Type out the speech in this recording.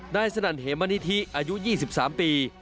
สนั่นเหมณิธิอายุ๒๓ปี